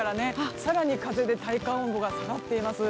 更に風で体感温度が下がっています。